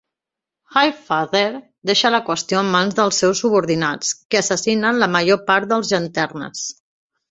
Highfather deixa la qüestió en mans dels seus subordinats, que assassinen la major part dels Llanternes.